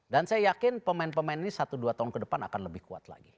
dan saya yakin pemain pemain ini satu dua tahun ke depan akan lebih kuat lagi